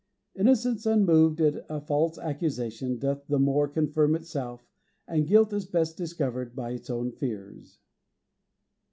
"Innocence unmoved At a false accusation doth the more Confirm itself; and guilt is best discover'd By its own fears."